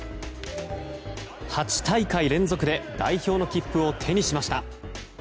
８大会連続で代表の切符を手にしました。